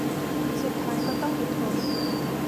สุดท้ายก็ต้องอดทน